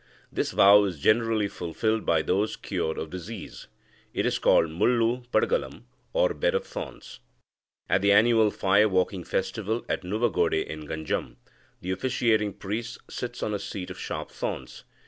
This vow is generally fulfilled by those cured of disease. It is called mullu padagalam, or bed of thorns. At the annual fire walking festival at Nuvagode in Ganjam, the officiating priest sits on a seat of sharp thorns.